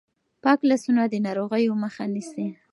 پاک لاسونه د ناروغیو مخه نیسي.